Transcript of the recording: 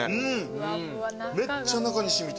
めっちゃ中に染みてる。